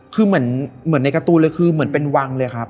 คือเหมือนในการ์ตูนเลยคือเหมือนเป็นวังเลยครับ